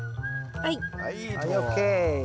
はい。